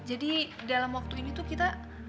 dalam waktu ini tuh kita